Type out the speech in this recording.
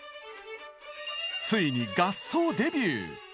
ついに合奏デビュー！